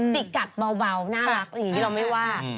จิกกัดเบาน่ารักอย่างนี้เราไม่ว่า